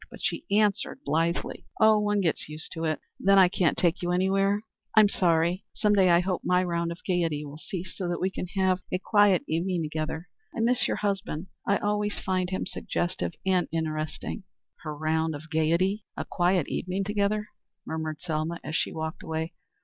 But she answered blithely, "Oh, one gets used to it. Then I can't take you anywhere? I'm sorry. Some day I hope my round of gayety will cease, so that we can have a quiet evening together. I miss your husband. I always find him suggestive and interesting." "'Her round of gayety! A quiet evening together!'" murmured Selma as she walked away.